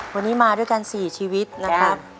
วันนี้มาด้วยกัน๔ชีวิตนะครับ